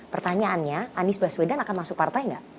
pertanyaannya anies baswedan akan masuk partai nggak